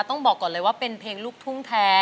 ต้องบอกก่อนเลยว่าเป็นเพลงลูกทุ่งแท้